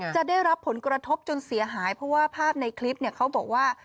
จะได้รับผลกระทบจนเสียหายเพราะว่าภาพในคลิปเนี่ยเขาบอกว่า